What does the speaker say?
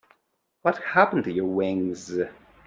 What happened to your wings?